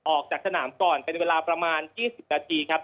ออกจากสนามก่อนเป็นเวลาประมาณ๒๐นาทีครับ